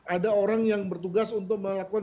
ada orang yang bertugas untuk melakukan